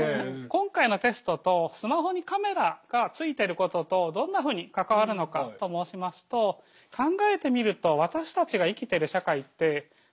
今回のテストとスマホにカメラが付いてることとどんなふうに関わるのかと申しますと考えてみるとはい。